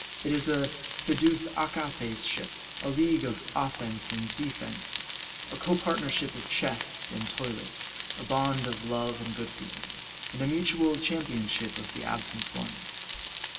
It is a Fidus Achates ship, a league of offense and defense, a copartnership of chests and toilets, a bond of love and good feeling, and a mutual championship of the absent one.